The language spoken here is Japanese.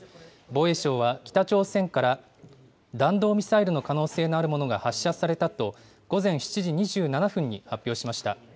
防衛省は北朝鮮から弾道ミサイルの可能性のあるものが発射されたと、午前７時２７分に発表しました。